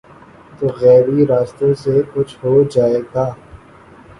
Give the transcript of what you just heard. تو غیبی راستوں سے کچھ ہو جائے گا۔